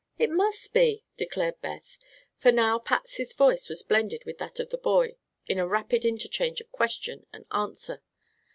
"It must be," declared Beth, for now Patsy's voice was blended with that of the boy in a rapid interchange of question and answer.